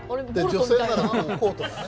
女性ならこうとかね。